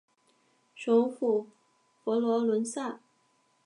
首府佛罗伦萨。